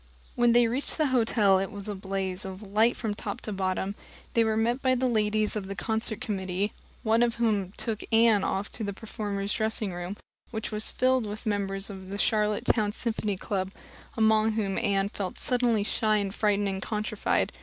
When they reached the hotel it was a blaze of light from top to bottom. They were met by the ladies of the concert committee, one of whom took Anne off to the performers' dressing room which was filled with the members of a Charlottetown Symphony Club, among whom Anne felt suddenly shy and frightened and countrified.